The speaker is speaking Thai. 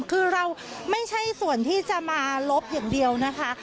คือเราไม่ใช่ส่วนที่จะมาลบอย่างเดียวนะคะ